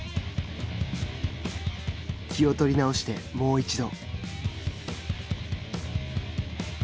気を取り直してもう一度。